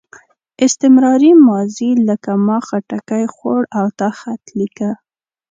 استمراري ماضي لکه ما خټکی خوړ او تا خط لیکه.